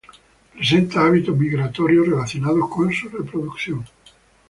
Presenta hábitos migratorios relacionados con su reproducción.